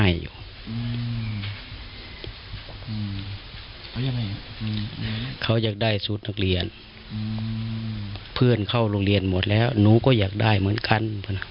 เพื่อนเขาโรงเรียนหมดแล้วหนูก็อยากได้เหมือนกัน